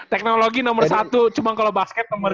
teknologi nomor satu cuma kalau basket nomor dua